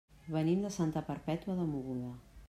Venim de Santa Perpètua de Mogoda.